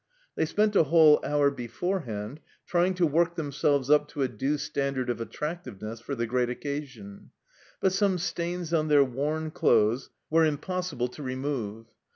They spent a whole hour beforehand trying to work themselves up to a due standard of attractiveness for the great occasion ; but some stains on their worn clothes were impossible to remove.